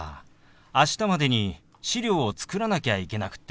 明日までに資料を作らなきゃいけなくって。